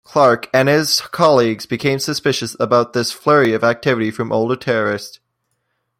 Clark and his colleagues become suspicious about this flurry of activity from older terrorists.